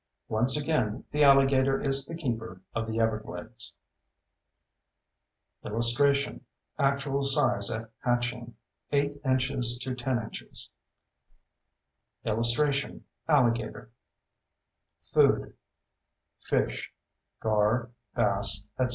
Once again, the alligator is the keeper of the everglades. [Illustration: ACTUAL SIZE AT HATCHING (8″ to 10″)] [Illustration: Alligator] FOOD FISH (gar, bass, etc.)